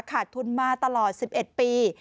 ขาดทุนมาตลอด๑๑ปี